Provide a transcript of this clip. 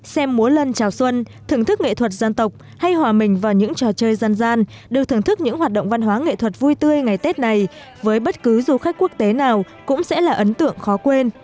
xem múa lân chào xuân thưởng thức nghệ thuật dân tộc hay hòa mình vào những trò chơi dân gian được thưởng thức những hoạt động văn hóa nghệ thuật vui tươi ngày tết này với bất cứ du khách quốc tế nào cũng sẽ là ấn tượng khó quên